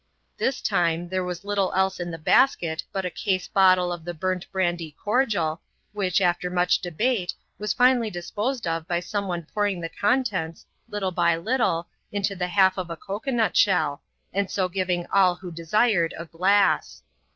This time, there was little else in the basket but a case bottle of the burnt brandy cordial, which, after much debate, was BnaUj disposed of hy some one pouring t\i& (^o\i\;&Tv\j^\i\2d<^ 138 ADVENTURES IN THE SOUTH SEAS. [chap. xxxv. by little, into the half of a cocoa nut shell, and so giving all who desired, a glass.